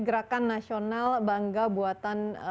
gerakan nasional bangga buatan